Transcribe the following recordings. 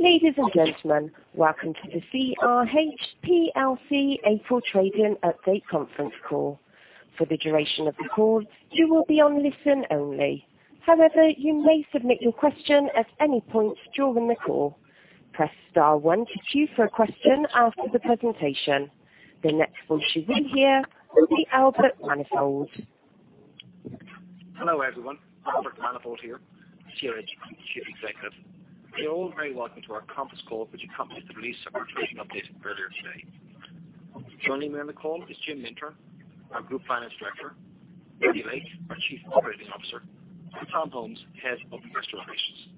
Ladies and gentlemen, welcome to the CRH plc April Trading Update conference call. For the duration of the call, you will be on listen only. However, you may submit your question at any point during the call. Press star one to queue for a question after the presentation. The next voice you will hear will be Albert Manifold. Hello, everyone. Albert Manifold here, CRH Chief Executive. You're all very welcome to our conference call which accompanies the release of our trading update earlier today. Joining me on the call is Jim Mintern, our Group Finance Director, Randy Lake, our Chief Operating Officer, and Tom Holmes, Head of Investor Relations.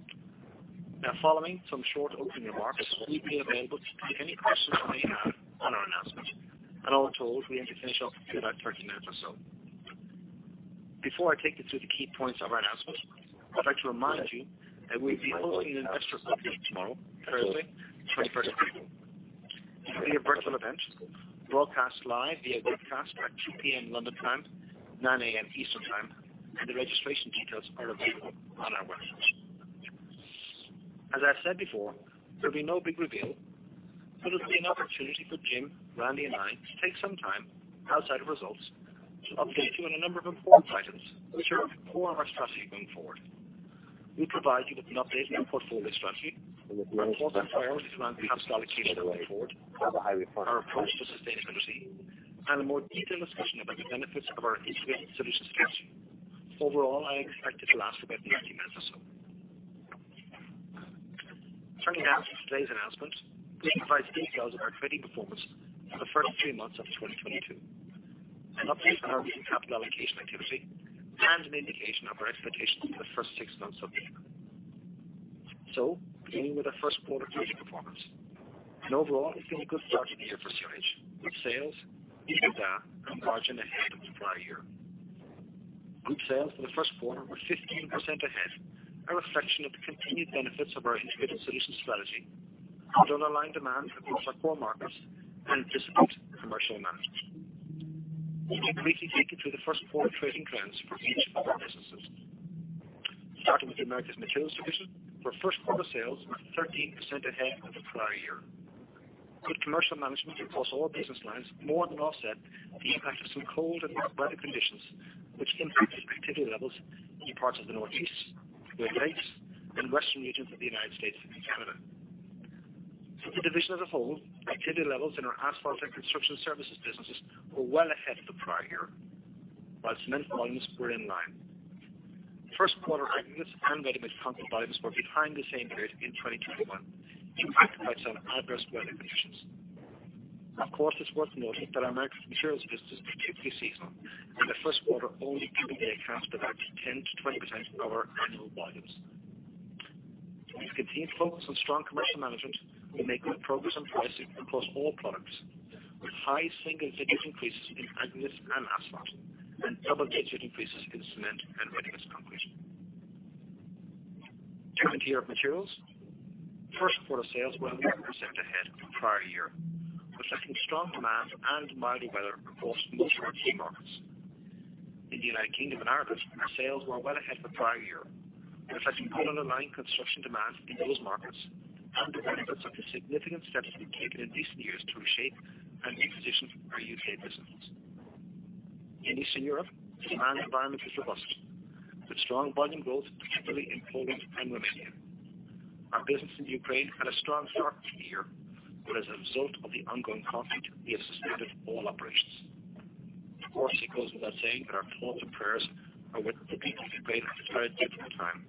Now, following some short opening remarks, we'll be available to take any questions you may have on our announcement. All told, we aim to finish off in about 30 minutes or so. Before I take you through the key points of our announcement, I'd like to remind you that we'll be holding an investor update tomorrow, Thursday, 21st of April. It will be a virtual event broadcast live via webcast at 2 P.M. London time, 9 A.M. Eastern Time, and the registration details are available on our website. As I said before, there'll be no big reveal, but it'll be an opportunity for Jim, Randy, and I to take some time outside of results to update you on a number of important items which are core to our strategy going forward. We provide you with an update on portfolio strategy, our portfolio priority plan capital allocation going forward, our approach to sustainability, and a more detailed discussion about the benefits of our integrated solutions strategy. Overall, I expect it'll last about 90 minutes or so. Turning now to today's announcement, this provides details of our trading performance for the first three months of 2022, an update on our recent capital allocation activity, and an indication of our expectations for the first six months of the year. Beginning with the first quarter trading performance. Overall, it's been a good start to the year for CRH, with sales, EBITDA, and margin ahead of the prior year. Group sales for the first quarter were 15% ahead, a reflection of the continued benefits of our integrated solution strategy with underlying demand across our core markets and disciplined commercial management. Let me briefly take you through the first quarter trading trends for each of our businesses. Starting with the Americas Materials division, where first quarter sales were 13% ahead of the prior year. Good commercial management across all business lines more than offset the impact of some cold and wet weather conditions which impacted activity levels in parts of the Northeast, Great Lakes, and western regions of the United States and Canada. For the division as a whole, activity levels in our asphalt and construction services businesses were well ahead of the prior year, while cement volumes were in line. First quarter aggregates and ready-mix concrete volumes were behind the same period in 2021 due to the impacts on adverse weather conditions. Of course, it's worth noting that our Americas Materials business is particularly seasonal, and the first quarter only typically accounts for about 10%-20% of our annual volumes. With continued focus on strong commercial management, we made good progress on pricing across all products, with high single-digit increases in aggregates and asphalt and double-digit increases in cement and ready-mix concrete. Turning to Europe Materials, first quarter sales were 11% ahead of prior year, reflecting strong demand and milder weather across most of our key markets. In the United Kingdom and Ireland, our sales were well ahead of the prior year, reflecting good underlying construction demand in those markets and the benefits of the significant steps we've taken in recent years to reshape and reposition our U.K. business. In Eastern Europe, the demand environment was robust, with strong volume growth, particularly in Poland and Romania. Our business in Ukraine had a strong start to the year, but as a result of the ongoing conflict, we have suspended all operations. Of course, it goes without saying that our thoughts and prayers are with the people of Ukraine at this very difficult time,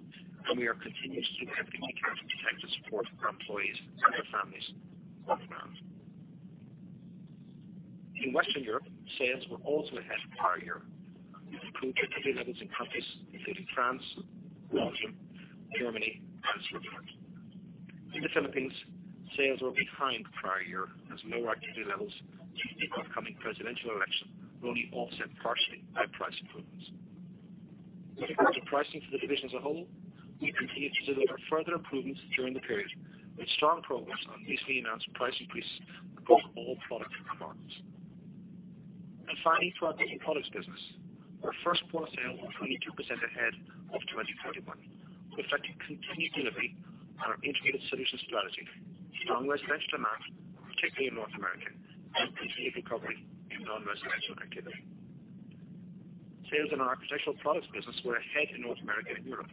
and we are continuously making every effort to try to support our employees and their families where we can. In Western Europe, sales were also ahead of prior year with improved activity levels in countries including France, Belgium, Germany, and Switzerland. In the Philippines, sales were behind prior year as lower activity levels due to the upcoming presidential election were only offset partially by price improvements. With regard to pricing for the division as a whole, we continued to deliver further improvements during the period, with strong progress on recently announced price increases across all products and markets. Finally, for our Building Products business, our first quarter sales were 22% ahead of 2021, reflecting continued delivery on our integrated solutions strategy, strong residential demand, particularly in North America, and continued recovery in non-residential activity. Sales in our Architectural Products business were ahead in North America and Europe,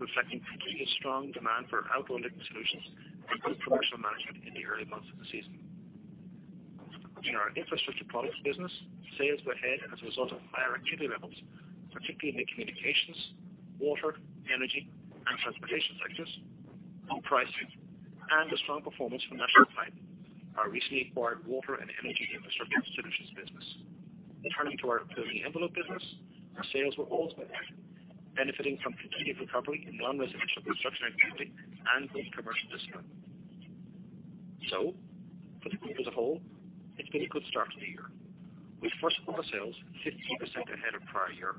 reflecting continued strong demand for outdoor living solutions and good commercial management in the early months of the season. In our Infrastructure Products business, sales were ahead as a result of higher activity levels, particularly in the communications, water, energy, and transportation sectors, on pricing and a strong performance from National Pipe & Plastics, our recently acquired water and energy infrastructure solutions business. Returning to our Building Envelope business, our sales were also ahead, benefiting from continued recovery in non-residential construction activity and good commercial discipline. For the group as a whole, it's been a good start to the year, with first quarter sales 15% ahead of prior year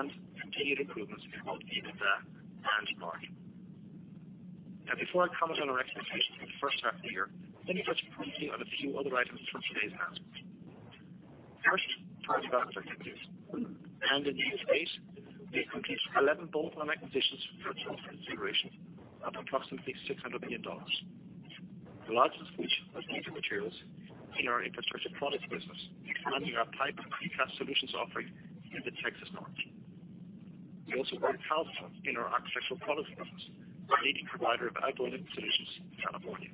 and continued improvements in both EBITDA and margin. Now, before I comment on our expectations for the first half of the year, let me touch briefly on a few other items from today's announcement. In the U.S. space, we've completed 11 bolt-on acquisitions for a total consideration of approximately $600 million. The largest of which was building materials in our Infrastructure Products business and our pipe and precast solutions offering in the Texas market. We also bought Calstone in our Architectural Products business, a leading provider of outdoor living solutions in California.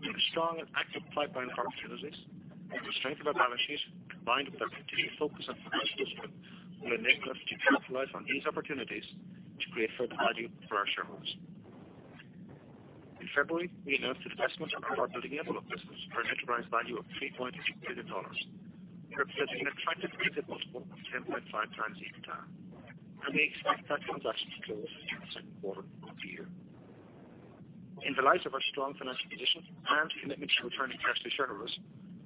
We have a strong and active pipeline of opportunities, and the strength of our balance sheet combined with our continued focus on financial discipline will enable us to capitalize on these opportunities to create further value for our shareholders. In February, we announced the divestment of our Building Envelope business for an enterprise value of $3.6 billion, representing an attractive multiple of 10.5x EBITDA. We expect that transaction to close in the second quarter of the year. In the light of our strong financial position and commitment to returning cash to shareholders,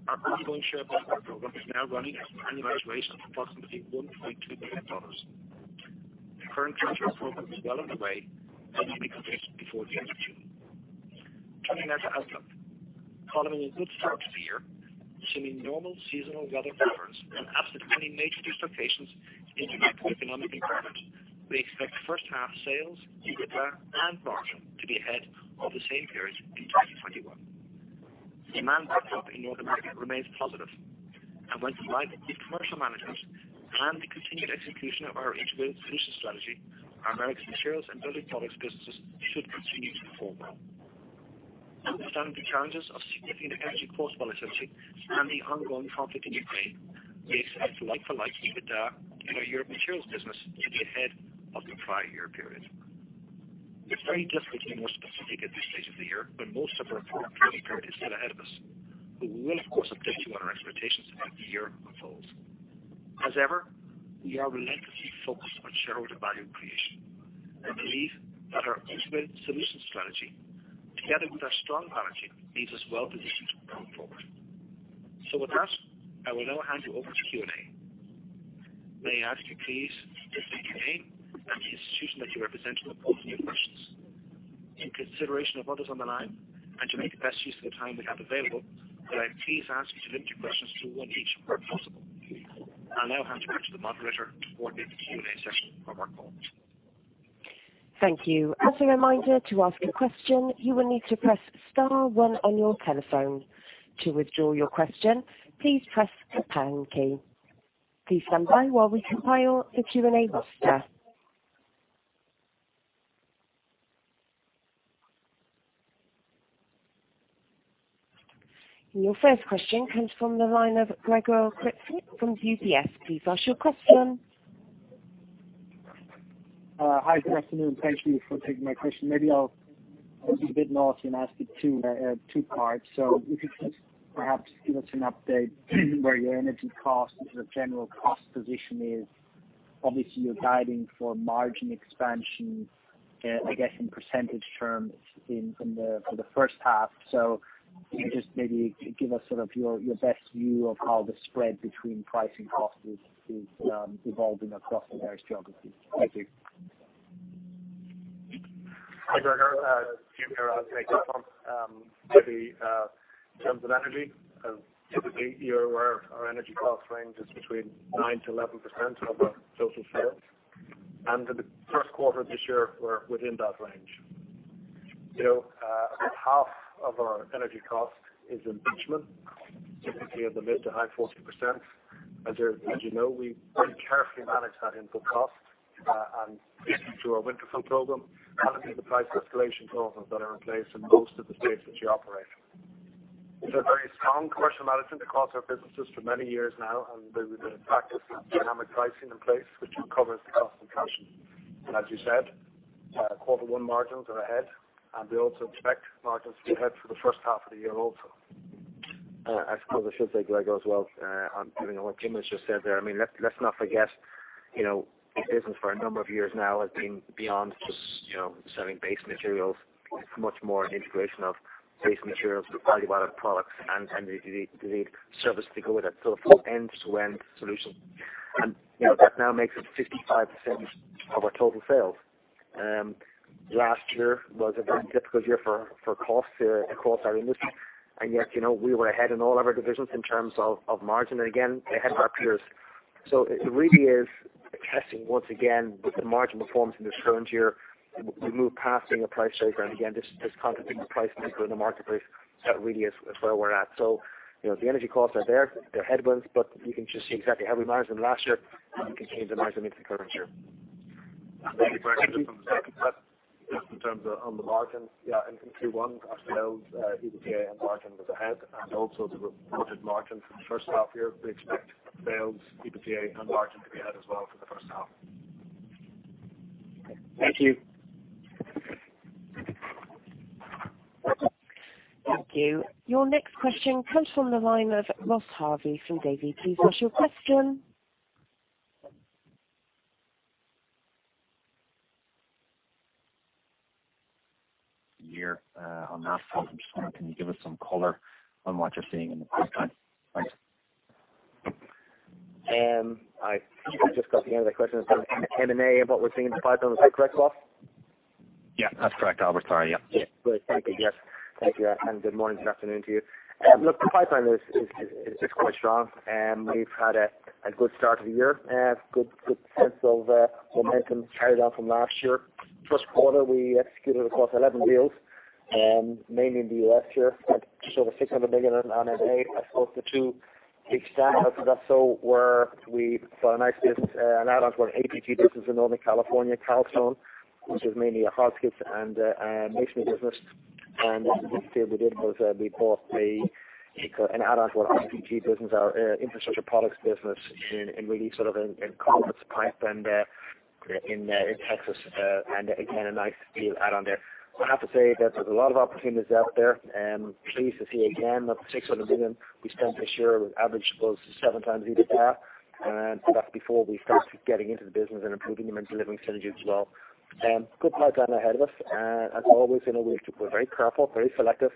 our ongoing share buyback program is now running at an annualization of approximately $1.2 billion. The current control program is well underway and will be completed before the end of June. Turning now to outlook. Following a good start to the year, assuming normal seasonal weather patterns and absent any major dislocations in the macroeconomic environment, we expect first half sales, EBITDA and margin to be ahead of the same period in 2021. Demand pick-up in North America remains positive and when combined with commercial management and the continued execution of our integrated solution strategy, our Americas Materials and Building Products businesses should continue to perform well. Understanding the challenges of significant energy cost volatility and the ongoing conflict in Ukraine, we expect like-for-like EBITDA in our Europe Materials business to be ahead of the prior year period. It's very difficult to be more specific at this stage of the year when most of our reporting period is still ahead of us, but we will of course update you on our expectations as the year unfolds. As ever, we are relentlessly focused on shareholder value creation and believe that our integrated solutions strategy, together with our strong balance sheet, leaves us well positioned to come forward. With that, I will now hand you over to Q&A. May I ask you please to state your name and the institution that you represent when posing your questions. In consideration of others on the line and to make the best use of the time we have available, could I please ask you to limit your questions to one each where possible? I'll now hand you over to the moderator to coordinate the Q&A session of our call. Thank you. As a reminder, to ask a question, you will need to press star one on your telephone. To withdraw your question, please press the pound key. Please stand by while we compile the Q&A roster. Your first question comes from the line of Gregor Kuglitsch from UBS. Please ask your question. Hi, good afternoon. Thank you for taking my question. Maybe I'll be a bit naughty and ask it two parts. If you could just perhaps give us an update where your energy cost and sort of general cost position is. Obviously, you're guiding for margin expansion, I guess in percentage terms in the first half. Can you just maybe give us sort of your best view of how the spread between price and cost is evolving across the various geographies? Thank you. Hi, Gregor. Jim here. I'll take this one. Maybe in terms of energy, typically you're aware our energy cost range is between 9%-11% of our total sales. In the first quarter of this year, we're within that range. You know, about half of our energy cost is in bitumen, typically in the mid- to high-40%. As you know, we very carefully manage that input cost, and through our winter fuel program, and through the price escalation clauses that are in place in most of the states that we operate. There's a very strong commercial management across our businesses for many years now, and they've been practicing dynamic pricing in place, which recovers the cost inflation. As you said, quarter one margins are ahead, and we also expect margins to be ahead for the first half of the year also. I suppose I should say, Gregor as well, and given what Jim has just said there, I mean, let's not forget, you know, the business for a number of years now has been beyond just, you know, selling base materials. It's much more an integration of base materials with value-added products and the service to go with it. So it's an end-to-end solution, and, you know, that now makes up 55% of our total sales. Last year was a very difficult year for costs across our industry. Yet, you know, we were ahead in all of our divisions in terms of margin, and again, ahead of our peers. It really is testing once again with the margin performance in this current year. We've moved past being a price taker and again, just contemplating the price maker in the marketplace, that really is where we're at. You know, the energy costs are there, they're headwinds, but you can just see exactly how we managed them last year and continue to manage them into the current year. Thank you. Just in terms of on the margin, yeah, in Q1 our sales, EBITDA and margin was ahead, and also the reported margin for the first half year. We expect sales, EBITDA and margin to be ahead as well for the first half. Thank you. Thank you. Your next question comes from the line of Ross Harvey from Davy. Please ask your question. Here, on that front, I'm just wondering, can you give us some color on what you're seeing in the pipeline? Thanks. I think I just got the end of the question in terms of M&A and what we're seeing in the pipeline. Is that correct, Ross? Yeah, that's correct, Albert. Sorry, yeah. Yeah. Great. Thank you, Jeff. Thank you. Good morning or good afternoon to you. Look, the pipeline is quite strong, and we've had a good start to the year and good sense of momentum carried on from last year. First quarter, we executed across 11 deals, mainly in the U.S. here at just over $600 million on an A. I suppose the two big standouts of that were we saw a nice business, an add-on to our APG business in Northern California, Calstone, which is mainly a hardscaping and a masonry business. The other big deal we did was, we bought an add-on to our IPG business, our infrastructure products business in really sort of in concrete pipe and in Texas, and again, a nice deal add-on there. I have to say that there's a lot of opportunities out there, and I'm pleased to see again that the $600 million we spent this year at an average was seven times EBITDA, and that's before we start getting into the business and improving them and delivering synergy as well. Good pipeline ahead of us. As always, you know we're very careful, very selective.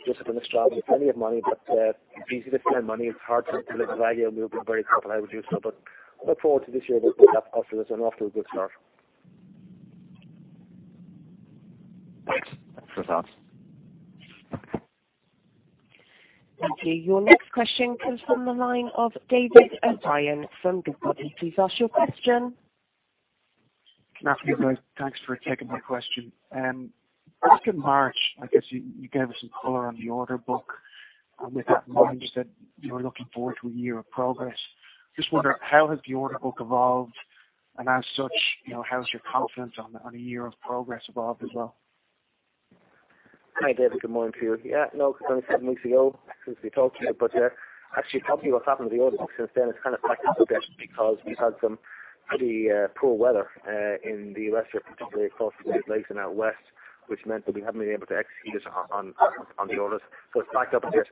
I've just been in this job with plenty of money, but easy to spend money. It's hard to live with the idea, and we've been very careful how we do so. Look forward to this year. We'll build upon this after a good start. Thanks for that. Thank you. Your next question comes from the line of David O'Brien from Goodbody. Please ask your question. Matthew, guys, thanks for taking my question. Back in March, I guess you gave us some color on the order book, and with that in mind you said you were looking forward to a year of progress. I just wonder how has the order book evolved, and as such, you know, how's your confidence on a year of progress evolved as well? Hi, David. Good morning to you. Yeah, no, it's only seven weeks ago since we talked to you. Actually tell you what's happened to the order book since then, it's kind of backed up a bit because we've had some pretty poor weather in the U.S. here, particularly across the Great Lakes and out west, which meant that we haven't been able to execute on the orders. So it's backed up a bit.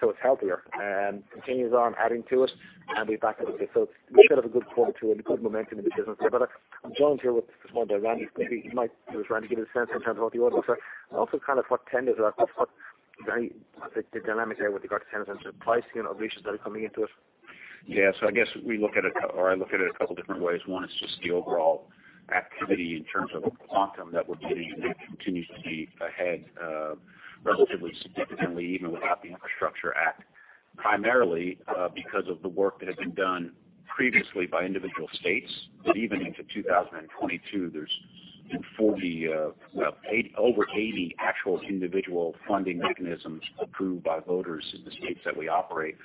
So it's healthier and continues on adding to it and we back it a bit. So we should have a good quarter two and good momentum in the business. Yeah, but, Jim's here with us this morning by Randy. Maybe Randy give you a sense in terms of what the orders are. Also kind of what tenders are. That's what very the dynamic there with regard to tenders and pricing or leads that are coming into us. Yeah. I guess we look at it or I look at it a couple different ways. One is just the overall activity in terms of quantum that we're getting that continues to be ahead, relatively significantly, even without the Infrastructure Act, primarily, because of the work that had been done previously by individual states. Even into 2022, there's been over 80 actual individual funding mechanisms approved by voters in the states that we operate.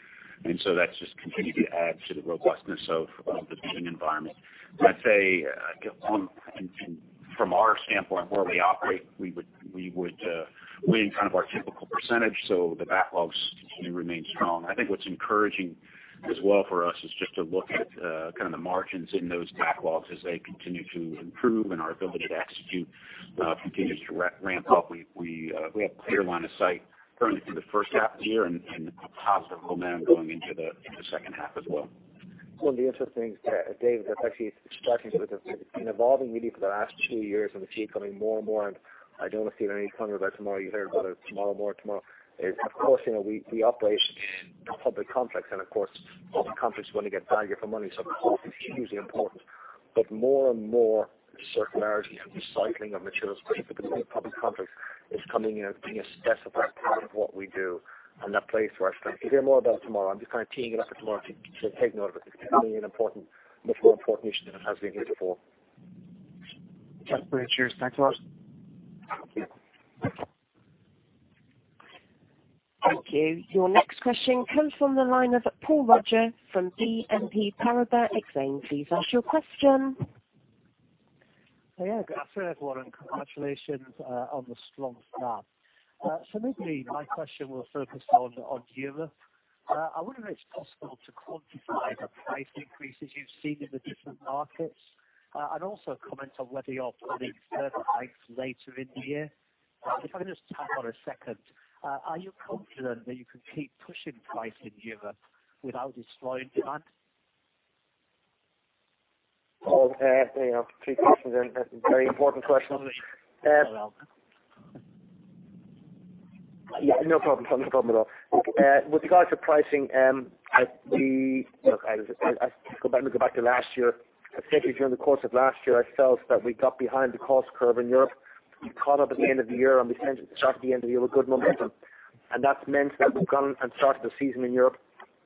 That's just continued to add to the robustness of the bidding environment. Let's say from our standpoint, where we operate, we would win kind of our typical percentage, so the backlogs continue to remain strong. I think what's encouraging as well for us is just to look at kind of the margins in those backlogs as they continue to improve and our ability to execute continues to ramp up. We have clear line of sight currently through the first half of the year and a positive momentum going into the second half as well. One of the interesting, David, that's actually striking with this. It's been evolving really for the last two years and they're coming more and more, and I don't want to steal any thunder about tomorrow. You'll hear more about it tomorrow. Of course, you know, we operate in public contracts and of course, public contracts want to get value for money, so cost is hugely important. But more and more circularity and recycling of materials, particularly public contracts, is coming into being a specified part of what we do and that plays to our strength. You'll hear more about it tomorrow. I'm just kind of teeing it up for tomorrow to take note of it. It's becoming an important, much more important issue than it has been here before. That's great. Cheers. Thanks a lot. Thank you. Thank you. Your next question comes from the line of Paul Roger from BNP Paribas Exane. Please ask your question. Yeah. Good afternoon, everyone, and congratulations on the strong start. So maybe my question will focus on Europe. I wonder if it's possible to quantify the price increases you've seen in the different markets, and also comment on whether you're planning further hikes later in the year. If I could just tag on a second, are you confident that you can keep pushing price in Europe without destroying demand? Paul, you know, three questions and very important questions. Oh, well. Yeah, no problem. No problem at all. With regards to pricing, Look, I go back to last year. I think during the course of last year, I felt that we got behind the cost curve in Europe. We caught up at the end of the year and we tended to start at the end of the year with good momentum. That's meant that we've gone and started the season in Europe,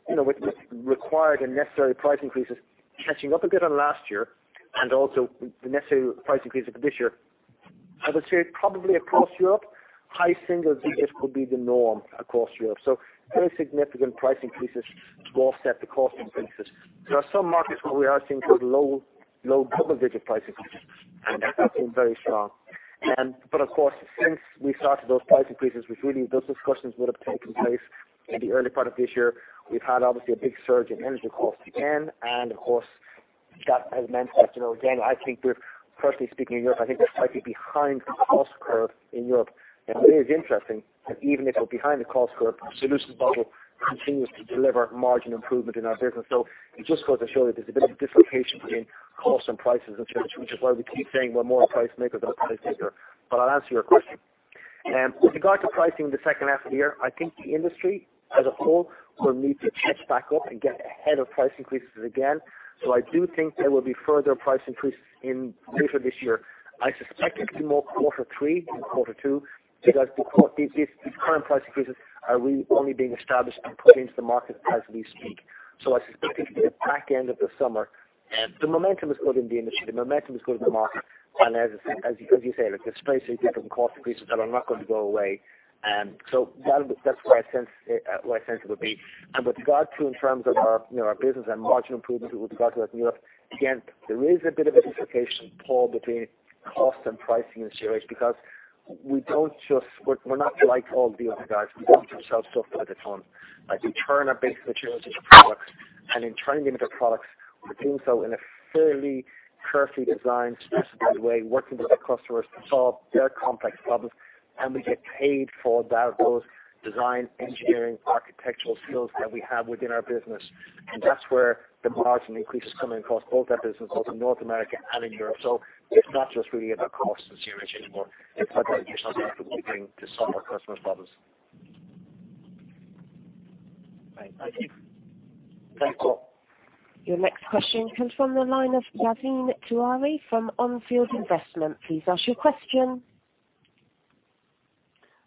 you know, with the required and necessary price increases, catching up a bit on last year and also the necessary price increases for this year. I would say probably across Europe, high single digits will be the norm across Europe. Very significant price increases to offset the cost increases. There are some markets where we are seeing sort of low double-digit price increases, and they're looking very strong. Of course, since we started those price increases, which really those discussions would have taken place in the early part of this year, we've had obviously a big surge in energy costs again. Of course, that has meant that, you know, again, I think we're firstly speaking in Europe, I think we're slightly behind the cost curve in Europe. It is interesting that even if we're behind the cost curve, Solutions business continues to deliver margin improvement in our business. It just goes to show you there's a bit of dislocation between cost and prices, which is why we keep saying we're more a price maker than a price taker. I'll answer your question. With regard to pricing in the second half of the year, I think the industry as a whole will need to catch back up and get ahead of price increases again. I do think there will be further price increases in later this year. I suspect it will be more quarter three than quarter two, because these current price increases are only being established and put into the market as we speak. I suspect it will be the back end of the summer. The momentum is good in the industry. The momentum is good in the market. As you say, look, there's price increases and cost increases that are not going to go away. That's where I sense it, where I sense it will be. With regard to in terms of our, you know, our business and margin improvement with regard to that in Europe, again, there is a bit of a differentiation, Paul, between cost and pricing in CRH because we don't just. We're not like all the other guys. We don't just sell stuff by the ton. Like, we turn our basic materials into products, and in turning them into products, we're doing so in a fairly carefully designed, specified way, working with our customers to solve their complex problems. We get paid for that, those design, engineering, architectural skills that we have within our business. That's where the margin increases come in across both our business, both in North America and in Europe. It's not just really about costs in CRH anymore. It's about the additional value that we bring to solve our customers' problems. Right. Thank you. Thank you. Your next question comes from the line of Naveen Sherwal from Enfield Investment. Please ask your question.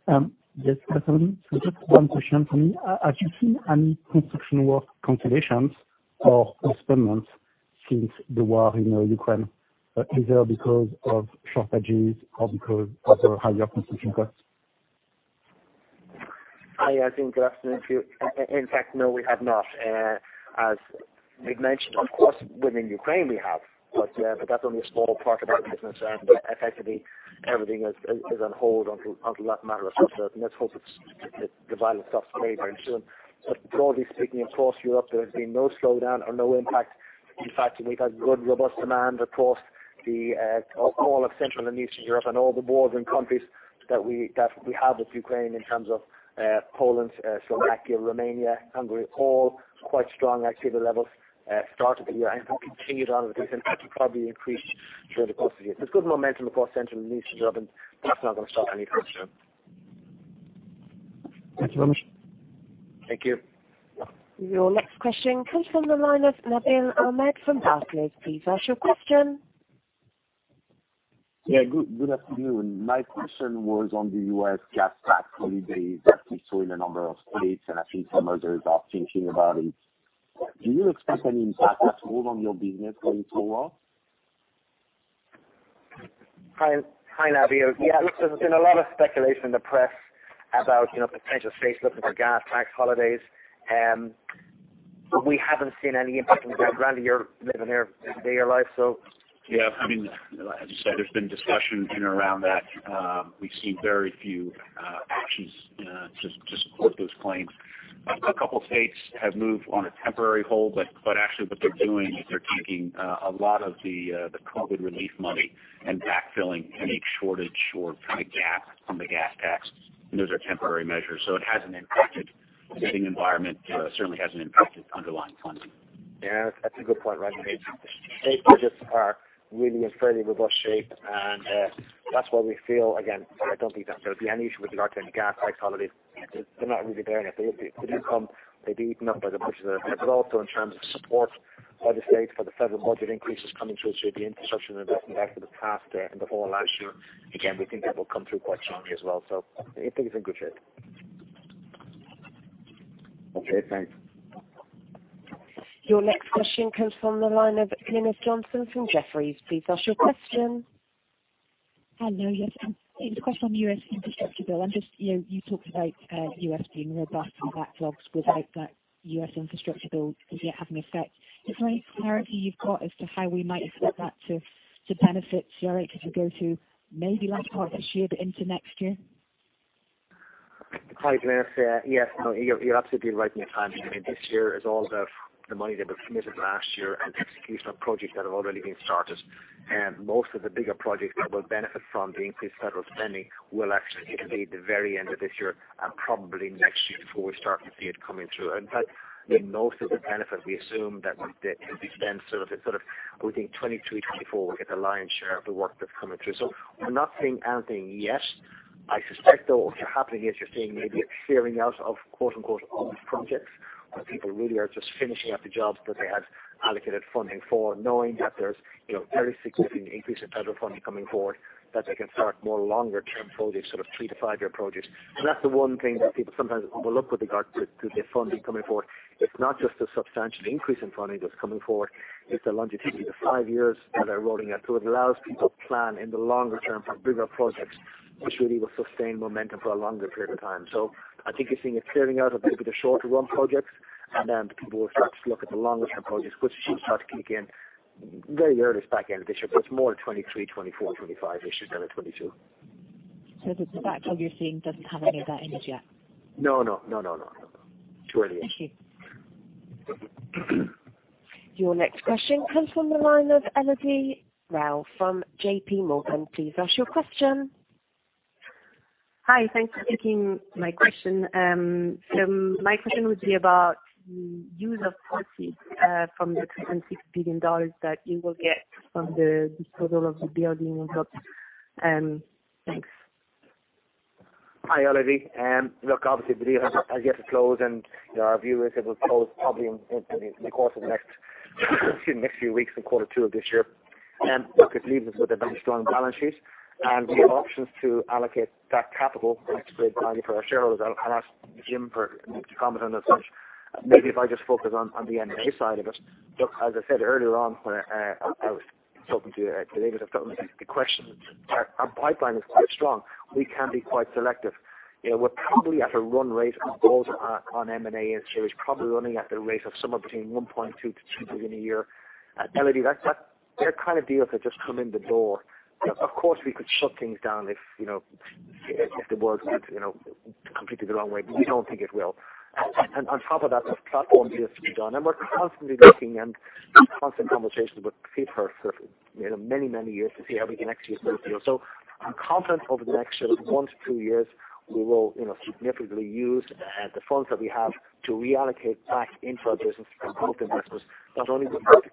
Yes, good afternoon. Just one question from me. Have you seen any construction work cancellations or postponements since the war in Ukraine, either because of shortages or because of the higher consumption costs? Hi. Yes, good afternoon to you. In fact, no, we have not. As Nick mentioned, of course, within Ukraine we have. Yeah, that's only a small part of our business and effectively everything is on hold until that matter is resolved. Let's hope it's the violence stops today very soon. Broadly speaking, across Europe there has been no slowdown or no impact. In fact, we've had good, robust demand across all of Central and Eastern Europe and all the bordering countries that we have with Ukraine in terms of Poland, Slovakia, Romania, Hungary, all quite strong activity levels at start of the year and have continued on with this. In fact, it probably increased through the course of the year. There's good momentum across Central and Eastern Europe, and that's not gonna stop any time soon. Thank you very much. Thank you. Your next question comes from the line of Nabil Ahmed from Barclays. Please ask your question. Yeah. Good, good afternoon. My question was on the U.S. gas tax holiday that we saw in a number of states, and I think some others are thinking about it. Do you expect any impact at all on your business going forward? Hi. Hi, Nabil. Yes, there's been a lot of speculation in the press about, you know, potential states looking for gas tax holidays. We haven't seen any impact. Granted, you're living there day to day, so. I mean, as you said, there's been discussion in and around that. We've seen very few actions to support those claims. A couple states have moved on a temporary hold, but actually what they're doing is they're taking a lot of the COVID relief money and backfilling any shortage or kind of gap from the gas tax. Those are temporary measures, so it hasn't impacted the pricing environment. It certainly hasn't impacted underlying funding. Yeah, that's a good point, Nabil. State budgets are really in fairly robust shape and that's why we feel again, I don't think that there'll be any issue with regard to any gas tax holidays. They're not really there. If they do come, they'd be eaten up by the budgets that are there. Also in terms of support by the state for the federal budget increases coming through. The Infrastructure Investment Act of the past in the whole of last year, again, we think that will come through quite strongly as well. We think it's in good shape. Okay, thanks. Your next question comes from the line of Glynis Johnson from Jefferies. Please ask your question. Hello. Yes. It's a question on U.S. infrastructure bill. I'm just, you know, you talked about U.S. being robust in backlogs without that U.S. infrastructure bill as yet having effect. Is there any clarity you've got as to how we might expect that to benefit CRH as we go to maybe latter part of this year but into next year? Hi, Glynis. Yes. No, you're absolutely right in your timing. I mean, this year is all the money that was committed last year and execution of projects that have already been started. Most of the bigger projects that will benefit from the increased federal spending will actually hit maybe the very end of this year and probably next year before we start to see it coming through. In fact, in most of the benefit, we assume that the spend sort of within 2023, 2024, we'll get the lion's share of the work that's coming through. We're not seeing anything yet. I suspect, though, what's happening is you're seeing maybe a clearing out of quote, unquote, old projects where people really are just finishing up the jobs that they had allocated funding for, knowing that there's, you know, very significant increase in federal funding coming forward, that they can start more longer term projects, sort of three to five year projects. That's the one thing that people sometimes overlook with regard to the funding coming forward. It's not just a substantial increase in funding that's coming forward, it's the longevity, the five years that they're rolling out. It allows people to plan in the longer term for bigger projects, which really will sustain momentum for a longer period of time. I think you're seeing a clearing out of a little bit of shorter run projects and then people will start to look at the longer term projects, which should start to kick in very earliest back end of this year. It's more 2023, 2024, 2025 issues than a 2022. The backlog you're seeing doesn't have any of that in it yet? No, no. No, no, no. Too early yet. Thank you. Your next question comes from the line of Elodie Rall from J.P. Morgan. Please ask your question. Hi. Thanks for taking my question. My question would be about the use of proceeds from the $3.6 billion that you will get from the disposal of the building Envelope. Thanks. Hi, Elodie. Look, obviously the deal has yet to close and our view is it will close probably in the course of the next few weeks in quarter two of this year. Look, it leaves us with a very strong balance sheet, and we have options to allocate that capital and create value for our shareholders. I'll ask Jim to comment on that as well. Maybe if I just focus on the M&A side of it. Look, as I said earlier on when I was talking to David, I've gotten the questions. Our pipeline is quite strong. We can be quite selective. You know, we're probably at a run rate on both our M&A and so on is probably running at the rate of somewhere between $1.2 billion-$2 billion a year. Elodie, that they're kind of deals that just come in the door. Of course, we could shut things down if, you know, if the world went, you know, completely the wrong way, but we don't think it will. On top of that, there's platform deals to be done, and we're constantly looking and in constant conversations with peers for, you know, many years to see how we can execute those deals. I'm confident over the next sort of one to two years, we will, you know, significantly use the funds that we have to reallocate back into our business and growth investments, not only with regards to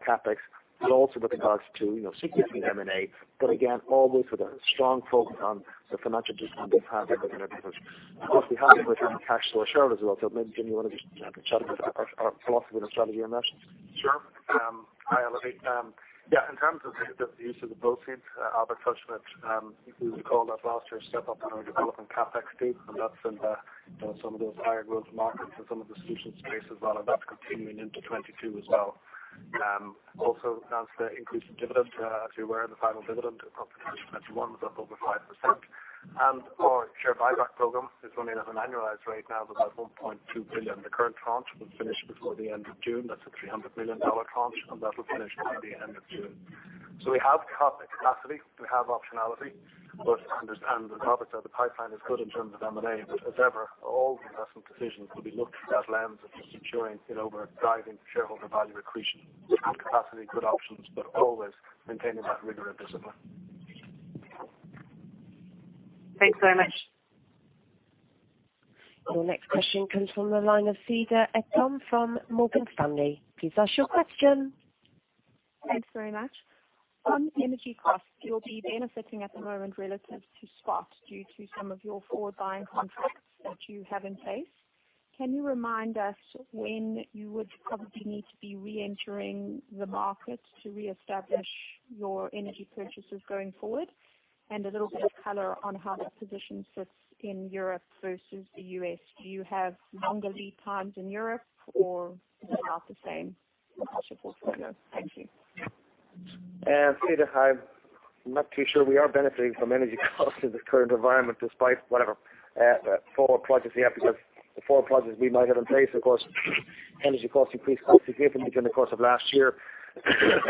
CapEx, but also with regards to, you know, sequencing M&A. Again, always with a strong focus on the financial discipline we have within our business. Of course, we have within our cash flow share as well. Maybe, Jim, you wanna just chat about our philosophy and strategy on that. Sure. Hi, Elodie. Yeah, in terms of the use of the proceeds, Albert touched that, if you recall that last year step up in our development CapEx, and that's in the, you know, some of those higher growth markets and some of the solutions space as well, and that's continuing into 2022 as well. Also announced the increased dividend. As you're aware, the final dividend of 2021 was up over 5%. Our share buyback program is running at an annualized rate now of about $1.2 billion. The current tranche will finish before the end of June. That's a $300 million tranche, and that will finish by the end of June. We have capacity, we have optionality, but understand, as Albert said, the pipeline is good in terms of M&A. as ever, all the investment decisions will be looked through that lens of ensuring, you know, we're driving shareholder value accretion. Good capacity, good options, but always maintaining that rigor and discipline. Thanks very much. Your next question comes from the line of Cedar Ekblom from Morgan Stanley. Please ask your question. Thanks very much. On energy costs, you'll be benefiting at the moment relative to spot due to some of your forward buying contracts that you have in place. Can you remind us when you would probably need to be reentering the market to reestablish your energy purchases going forward? A little bit of color on how that position sits in Europe versus the U.S. Do you have longer lead times in Europe or is it about the same? Appreciate your further. Thank you. Cedar, hi. I'm not too sure we are benefiting from energy costs in the current environment despite whatever forward projects we have because the forward projects we might have in place. Of course, energy costs increased significantly in the course of last year.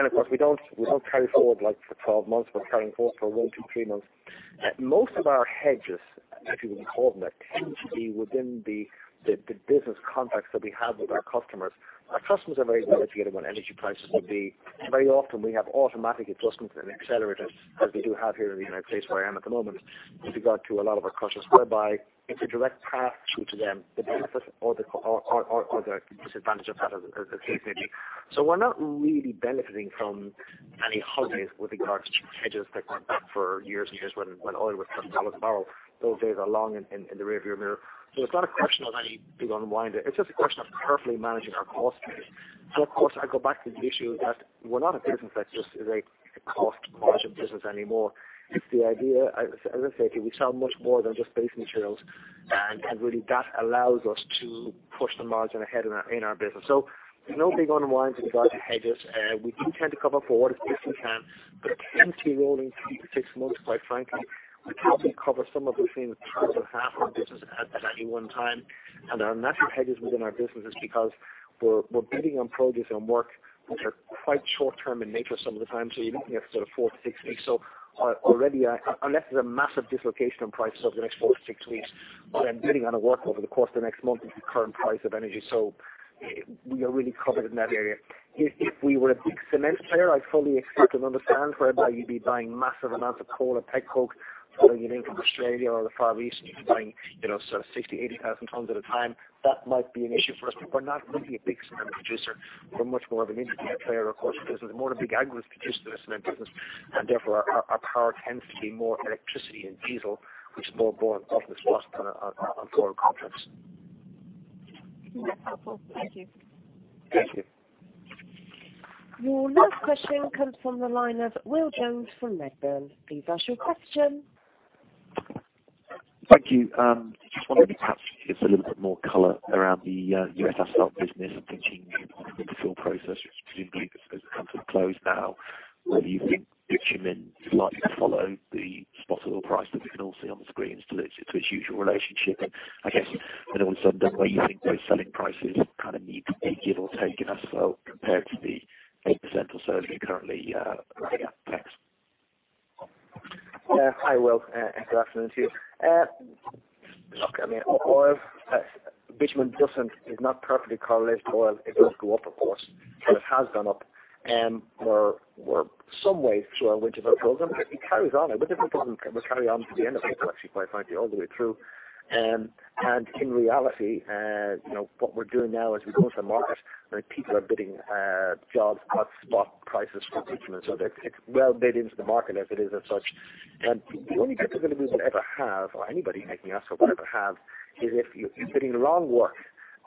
Of course, we don't carry forward like for 12 months. We're carrying forward for one-three months. Most of our hedges, if you would call them that, tend to be within the business contracts that we have with our customers. Our customers are very well educated on energy prices would be. Very often we have automatic adjustments and accelerators as we do have here in the United States, where I am at the moment, with regard to a lot of our crushers, whereby it's a direct pass-through to them, the benefit or the cost or the disadvantage of that as the case may be. We're not really benefiting from any hedges with regards to hedges that went back for years and years when oil was $10 a barrel. Those days are long in the rear view mirror. It's not a question of any big unwind. It's just a question of carefully managing our cost base. Of course, I go back to the issue that we're not a business that just is a cost margin business anymore. It's the idea. As I said, we sell much more than just base materials, and really that allows us to push the margin ahead in our business. There's no big unwinds in regard to hedges. We do tend to cover forward as best we can, but tend to rolling three-six months, quite frankly. We probably cover somewhere between a third and half our business at any one time. Our natural hedge is within our businesses because we're bidding on projects and work which are quite short term in nature some of the time. You're looking at sort of four-six weeks. Already, unless there's a massive dislocation on prices over the next four-six weeks, we're then bidding on a work over the course of the next month at the current price of energy. We are really covered in that area. If we were a big cement player, I fully expect and understand whereby you'd be buying massive amounts of coal or petcoke from either India or Australia or the Far East, and you're buying, you know, sort of 60,000-80,000 tons at a time. That might be an issue for us. We're not really a big cement producer. We're much more of an intermediate player, of course, because we're more of a big aggregates producer in the cement business, and therefore our power tends to be more electricity and diesel, which is more bought off the spot on forward contracts. That's helpful. Thank you. Thank you. Your next question comes from the line of Will Jones from Redburn. Please ask your question. Thank you. Just wondering if you could give us a little bit more color around the U.S. asphalt business and thinking the fuel process, which presumably has come to a close now, whether you think bitumen is likely to follow the spot oil price that we can all see on the screens to its usual relationship. I guess, you know, in some way you think those selling prices kind of need to be give or take as well compared to the 8% or so that you're currently seeing. Thanks. Hi, Will, and good afternoon to you. Look, I mean, oil, bitumen is not perfectly correlated to oil. It does go up, of course, and it has gone up. We're some way through our winter fuel program. It carries on. It doesn't just kind of carry on to the end of April, actually, quite frankly, all the way through. In reality, you know, what we're doing now as we go to the market, right, people are bidding jobs at spot prices for bitumen. They're well bid into the market as it is as such. The only difficulty we will ever have or anybody, heck, in us or whatever have, is if you're bidding the wrong work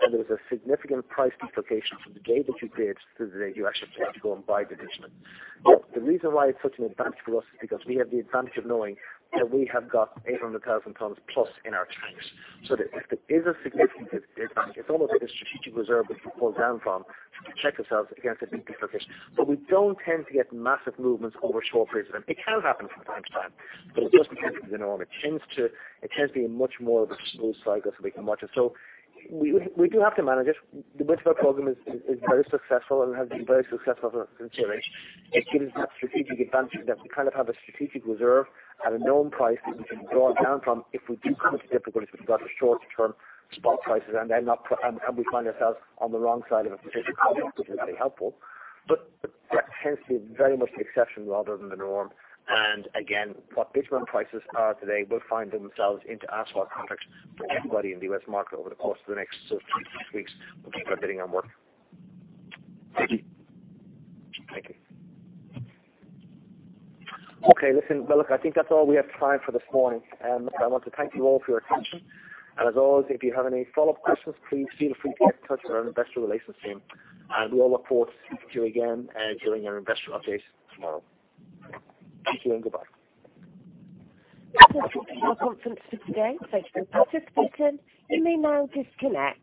and there's a significant price dislocation from the day that you bid to the day you actually have to go and buy the bitumen. The reason why it's such an advantage for us is because we have the advantage of knowing that we have got 800,000 tons+ in our tanks. So if there is a significant disadvantage, it's almost like a strategic reserve that you can pull down from to protect ourselves against a big dislocation. But we don't tend to get massive movements over short periods. It can happen from time to time, but it doesn't tend to be the norm. It tends to be a much more of a smooth cycle so we can watch it. We do have to manage it. The Winter Fuel Program is very successful and has been very successful for us historically. It gives us that strategic advantage that we kind of have a strategic reserve at a known price that we can draw down from if we do come into difficulties with regard to short-term spot prices and we find ourselves on the wrong side of a particular call, which isn't very helpful. That tends to be very much the exception rather than the norm. What bitumen prices are today will find themselves into asphalt contracts for everybody in the U.S. market over the course of the next sort of three to six weeks when people are bidding on work. Thank you. Thank you. Okay, listen. Well, look, I think that's all we have time for this morning. I want to thank you all for your attention. As always, if you have any follow-up questions, please feel free to get in touch with our investor relations team. We'll look forward to speaking to you again, during our investor update tomorrow. Thank you, and goodbye. That's all for our conference for today. Thank you, Patrick, Peter. You may now disconnect.